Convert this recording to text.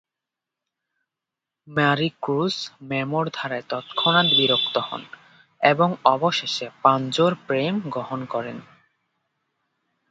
মারিক্রজ মেমোর দ্বারা তৎক্ষণাৎ বিরক্ত হন এবং অবশেষে পাঞ্ছোর প্রেম গ্রহণ করেন।